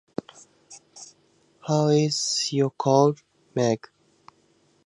How is your cold, Meg?